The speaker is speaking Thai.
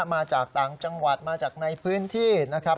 มาจากต่างจังหวัดมาจากในพื้นที่นะครับ